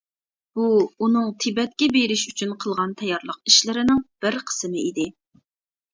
بۇ، ئۇنىڭ تىبەتكە بېرىش ئۈچۈن قىلغان تەييارلىق ئىشلىرىنىڭ بىر قىسمى ئىدى.